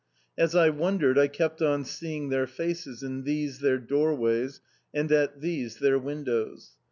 As I wondered, I kept on seeing their faces in these their doorways and at these their windows.